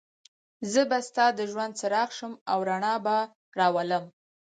زه به ستا د ژوند څراغ شم او رڼا به راولم.